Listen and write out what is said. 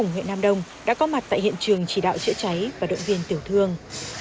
huyện nam đông đã có mặt tại hiện trường chỉ đạo chữa cháy và động viên tiểu thương